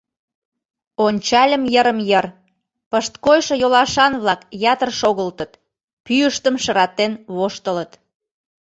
Ончальым йырым-йыр: пышткойшо йолашан-влак ятыр шогылтыт, пӱйыштым шыратен воштылыт.